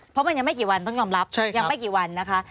เพราะมันยังไม่กี่วันต้องยอมรับยังไม่กี่วันนะคะ